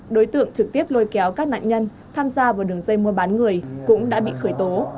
đối tượng trực tiếp lôi kéo các nạn nhân tham gia vào đường dây mua bán người cũng đã bị khởi tố